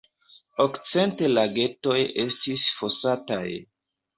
Okcent lagetoj estis fosataj.